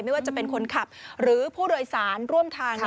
ไม่ว่าจะเป็นคนขับหรือผู้โดยสารร่วมทาง